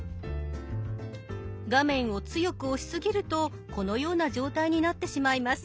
画面を強く押しすぎるとこのような状態になってしまいます。